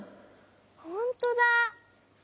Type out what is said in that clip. ほんとだ！